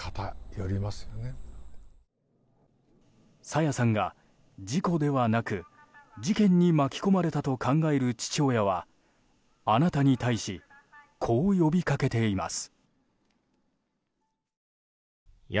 朝芽さんが事故ではなく事件に巻き込まれたと考える父親はあなたに対しこう呼びかけています。